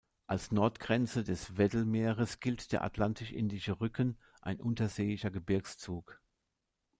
Als Nordgrenze des Weddell-Meeres gilt der Atlantisch-Indische Rücken, ein unterseeischer Gebirgszug.